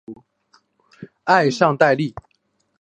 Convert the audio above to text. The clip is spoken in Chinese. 埃尚代利。